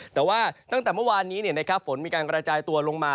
แต่ว่าตั้งแต่เมื่อวานนี้ฝนมีการกระจายตัวลงมา